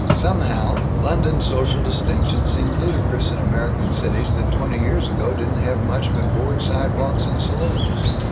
Somehow, London social distinctions seem ludicrous in American cities that twenty years ago didn't have much but board sidewalks and saloons.